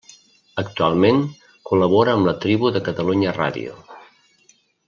Actualment col·labora amb La tribu de Catalunya Ràdio.